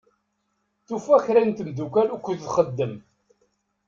Tufa kra n temddukal ukkud txeddem.